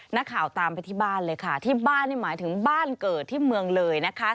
นักข่าวตามไปที่บ้านเลยค่ะที่บ้านนี่หมายถึงบ้านเกิดที่เมืองเลยนะคะ